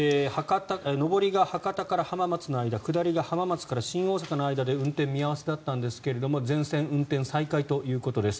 上りが博多から浜松の間下りが浜松から新大阪の間で運転見合わせだったんですが全線、運転再開ということです。